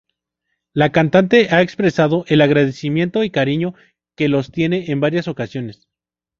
La cantante ha expresado el agradecimiento y cariño que los tiene en varias ocasiones.